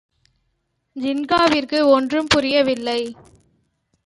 ஜின்காவிற்கு ஒன்றும் புரியவில்லை.